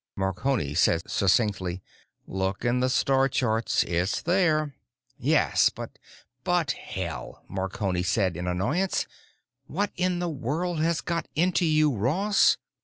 Marconi said succinctly, "Look in the star charts. It's there." "Yes, but——" "But, hell," Marconi said in annoyance. "What in the world has got into you, Ross?